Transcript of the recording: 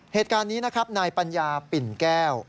เหตุการณ์นี้นะครับนายปัญญาปิ่นแก้ว